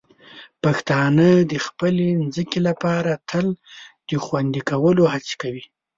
پښتانه د خپلې ځمکې لپاره تل د خوندي کولو هڅه کوي.